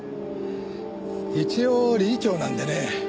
一応理事長なんでね